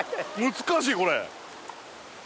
難しいこれ。